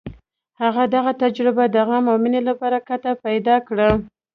هغه دغه تجربه د غم او مینې له برکته پیدا کړه